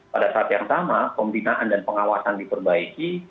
pada saat yang sama pembinaan dan pengawasan diperbaiki